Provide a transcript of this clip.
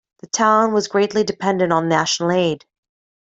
The town was greatly dependent on national aid.